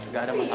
gak ada masalah